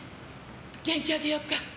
元気あげよっか。